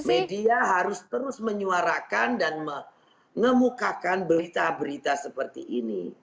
media harus terus menyuarakan dan mengemukakan berita berita seperti ini